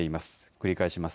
繰り返します。